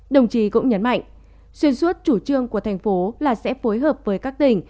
đồng chí cũng nhấn mạnh xuyên suốt chủ trương của thành phố là sẽ phối hợp với các tỉnh